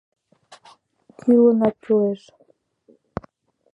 Кӱлынак кӱлеш!